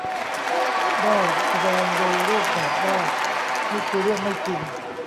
ได้แสดงโดยรูปแบบว่านี่คือเรื่องไม่จริง